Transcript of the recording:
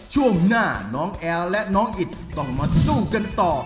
ช่วงหน้าน้องแอลและน้องอิดต้องมาสู้กันต่อ